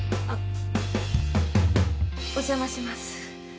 あっ。